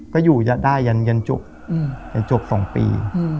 ก็อยู่ได้ยันจบ๒ปี